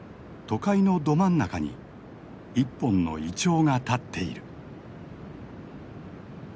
都会のど真ん中に一本のイチョウが立っている。